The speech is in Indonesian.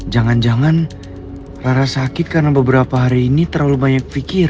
jangan jangan rara sakit karena beberapa hari ini terlalu banyak pikir